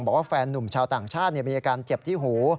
บอกว่าแฟนนุ่มชาวต่างชาติมีอาการเจ็บที่หู